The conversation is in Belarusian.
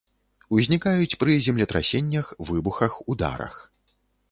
Узнікаюць пры землетрасеннях, выбухах, ударах.